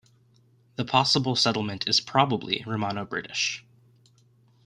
The possible settlement is probably Romano-British.